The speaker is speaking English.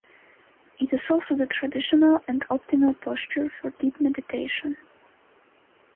It is also the traditional and optimal posture for deep meditation.